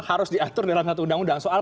harus diatur dalam satu undang undang soal